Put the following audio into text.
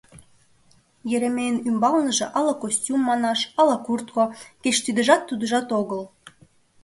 Еремейын ӱмбалныже ала костюм манаш, ала куртко, кеч тидыжат-тудыжат огыл.